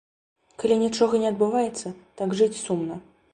Калі нічога не адбываецца, так жыць сумна.